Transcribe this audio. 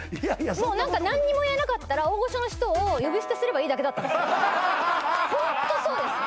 もう何か何も言えなかったら大御所の人を呼び捨てすればいいだけだったんですホントそうです！